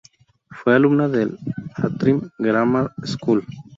Fue alumna en el Antrim Grammar School.